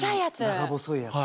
長細いやつ。